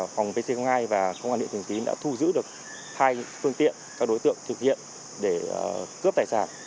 phòng pc hai và công an địa thường tín đã thu giữ được hai phương tiện các đối tượng thực hiện để cướp tài sản